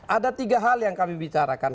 ada tiga hal yang kami bicarakan